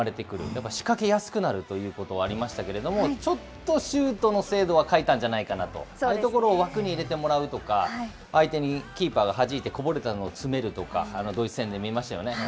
やっぱり仕掛けやすくなるということはありましたけれども、ちょっとシュートの精度は欠いたんじゃないかなと、ああいうところを枠に入れてもらうとか、相手にキーパーがはじいて、こぼれたのを詰めるとかドイツ戦で見ましたよね。